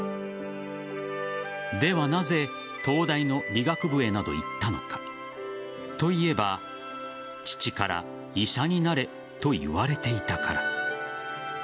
では、なぜ東大の理学部へなどと行ったのか。と言えば、父から医者になれと言われていたから。